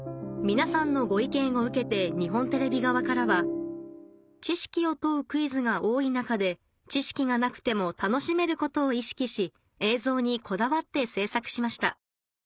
皆さんのご意見を受けて日本テレビ側からは「知識を問うクイズが多い中で知識がなくても楽しめることを意識し映像にこだわって制作しました」